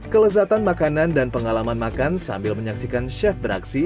kelezatan makanan dan pengalaman makan sambil menyaksikan chef beraksi